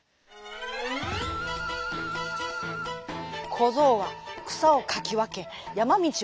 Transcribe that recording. こぞうはくさをかきわけやまみちをかけおり